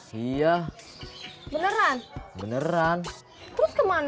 di wunan gaturnya disenjatakan mest fleeing